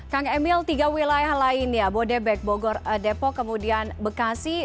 kang emil tiga wilayah lain ya bodebek bogor depok kemudian bekasi